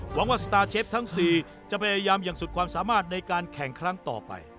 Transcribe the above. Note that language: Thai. หวังว่าสตาร์เชฟทั้ง๔จะพยายามอย่างสุดความสามารถในการแข่งครั้งต่อไป